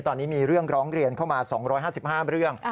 ตอนนี้มีเรื่องร้องเรียนเข้ามา๒๕๕เรื่อง